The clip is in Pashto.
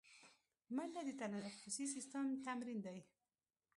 منډه د تنفسي سیستم تمرین دی